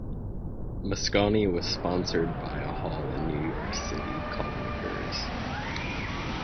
Mosconi was sponsored by a hall in New York City called McGirr's.